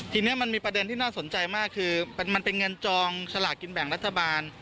ทีนี้มันมีประเด็นที่น่าสนใจมากคือมันเป็นเงินจองสลากกินแบ่งรัฐบาล